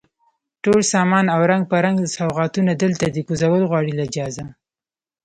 ټول سامان او رنګ په رنګ سوغاتونه، دلته دی کوزول غواړي له جهازه